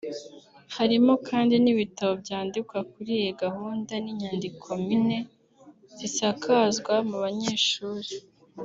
Harimo kandi n’ibitabo byandikwa kuri iyi gahunda n’inyandiko mpine zisakazwa mu banyeshuri